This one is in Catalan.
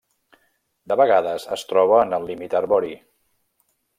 De vegades es troba en el límit arbori.